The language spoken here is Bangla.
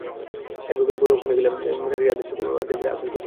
অ্যাডভোকেট বড়ুয়া ফোনে বললেন, খারিজের আদেশের অনুলিপি হাতে পেলে আপিল করবেন।